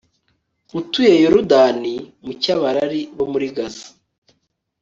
utuye yorudani mu cyabarari bo muri gaza